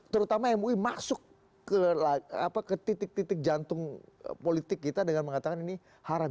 terutama mui masuk ke titik titik jantung politik kita dengan mengatakan ini haram